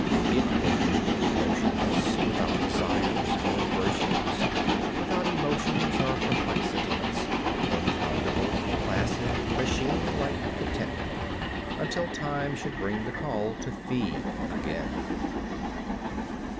It waited, motionless, without desires or aversions, without emotions or perplexities, in comfortable, placid, machinelike contentment until time should bring the call to feed again.